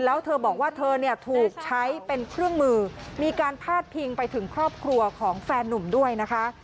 แล้วเธอบอกว่าเธอเนี่ยถูกใช้เป็นเครื่องมือมีการพาดพิงไปถึงครอบครัวของแฟนนุ่มด้วยนะคะ